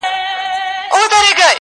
ته لږه ایسته سه چي ما وویني.